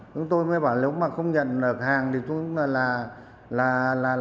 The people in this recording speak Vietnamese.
chúng tôi mới bảo nếu mà không nhận được hàng